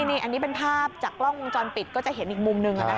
นี่อันนี้เป็นภาพจากกล้องวงจรปิดก็จะเห็นอีกมุมหนึ่ง